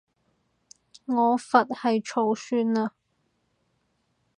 我佛系儲算了